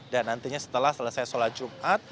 dan nantinya setelah selesai sholat jumat